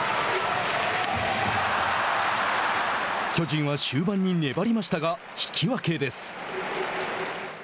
巨人は終盤に粘りましたが引き分けです。